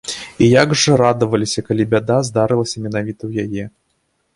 І як жа радаваліся, калі бяда здарылася менавіта ў яе.